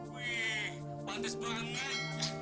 wih pantas banget